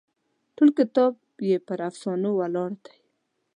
ټول کتاب یې پر افسانو ولاړ دی.